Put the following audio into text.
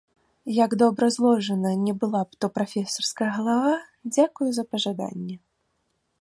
Як добра зложана, не была б то прафесарская галава, дзякую за пажаданне.